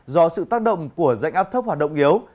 do sự tác động của dạnh áp thấp hoạt động yếu